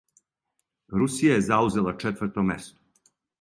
Русија је заузела четврто место.